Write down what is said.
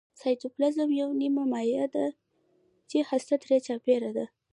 سایتوپلازم یوه نیمه مایع ماده ده چې هسته ترې چاپیره ده